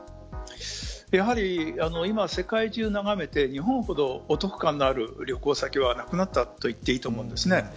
やはり今、世界中を眺めて日本ほどお得感のある旅行先はなくなったと言っていいと思うんです。